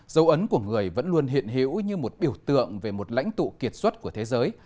dấu ấn của người vẫn luôn hiện hữu như một biểu tượng về một lãnh tụ kiệt xuất của thế giới